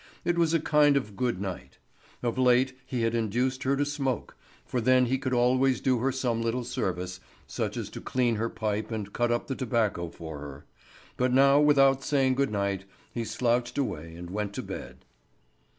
It was a kind of good night. Of late he had induced her to smoke, for then he could always do her some little service, such as to clean her pipe and cut up the tobacco for her. But now, without saying good night, he slouched away and went to bed.